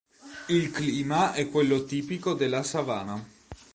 Il clima è quello tipico della savana.